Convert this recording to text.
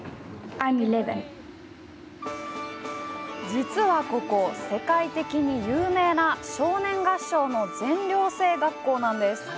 実はここ、世界的に有名な少年合唱の全寮制学校なんです。